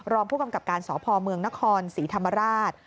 รองผู้กำกับการสพเมืองนครศรีธรรมราช